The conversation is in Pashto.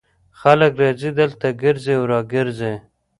خلک راځي دلته ګرځي را ګرځي.